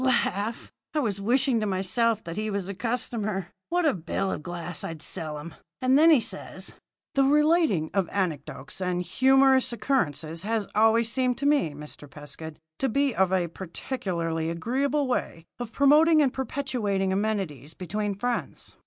Laugh! I was wishing to myself that he was a customer. What a bill of glass I'd sell him! And then he says: "'The relating of anecdotes and humorous occurrences has always seemed to me, Mr. Pescud, to be a particularly agreeable way of promoting and perpetuating amenities between friends.